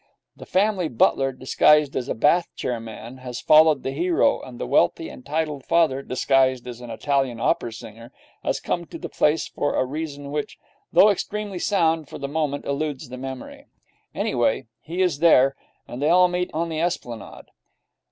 The family butler, disguised as a Bath chair man, has followed the hero, and the wealthy and titled father, disguised as an Italian opera singer, has come to the place for a reason which, though extremely sound, for the moment eludes the memory. Anyhow, he is there, and they all meet on the Esplanade.